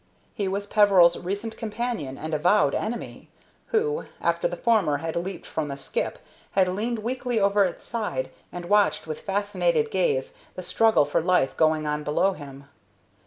He was Peveril's recent companion and avowed enemy, who, after the former had leaped from the skip, had leaned weakly over its side and watched with fascinated gaze the struggle for life going on below him.